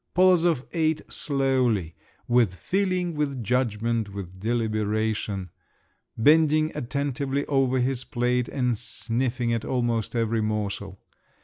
Polozov ate slowly, "with feeling, with judgment, with deliberation," bending attentively over his plate, and sniffing at almost every morsel.